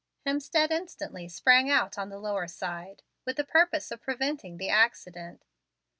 Hemstead instantly sprang out on the lower side, with the purpose of preventing the accident.